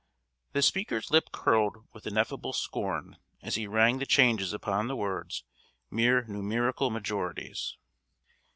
] The speaker's lip curled with ineffable scorn as he rang the changes upon the words "mere numerical majorities."